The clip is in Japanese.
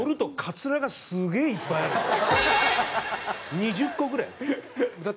２０個ぐらいある。